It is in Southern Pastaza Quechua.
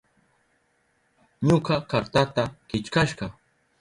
Ñuka kartata killkasha.